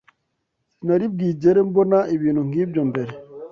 Sinari bwigere mbona ibintu nkibyo mbere.